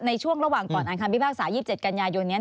ในช่วงระหว่างก่อนอ่านคำพิพากษา๒๗กันยายนนี้